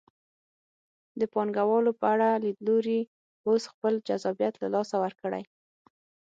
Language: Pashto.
د پانګوالو په اړه لیدلوري اوس خپل جذابیت له لاسه ورکړی.